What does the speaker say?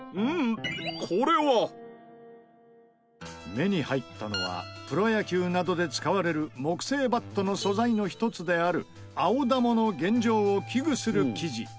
目に入ったのはプロ野球などで使われる木製バットの素材の一つであるアオダモの現状を危惧する記事。